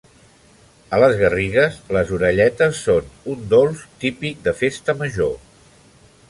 A les Garrigues, les orelletes són un dolç típic de Festa Major.